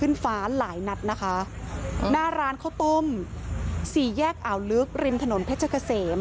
น่าร้านข้าวต้มศรีแยกอ่าวลึกริมถนนผลจะเข้าเสมอ